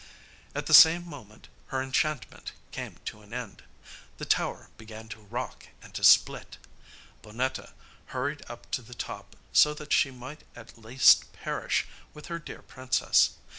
At the same moment her enchantment came to an end. The tower began to rock and to split. Bonnetta hurried up to the top so that she might at least perish with her dear princess.